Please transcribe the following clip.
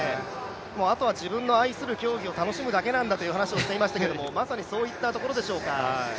あとは自分の愛する競技を楽しむだけなんだと話していましたけれども、まさにそういったところでしょうか。